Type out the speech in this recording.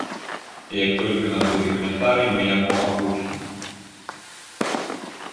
Як толькі ў нас будзе каментарый, мы яго агучым.